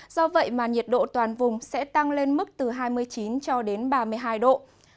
do vậy mà nhiệt độ toàn vùng sẽ tăng lên mức từ hai mươi chín cho đến ba mươi hai độ